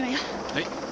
はい！